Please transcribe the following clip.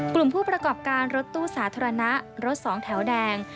กลุ่มผู้ประกอบการรถตู้สาธารณะรถสองแถวแดง